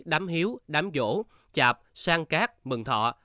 đám hiếu đám vỗ chạp sang cát mừng thọ